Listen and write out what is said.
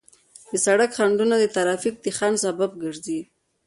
د سړک خنډونه د ترافیک د ځنډ سبب ګرځي.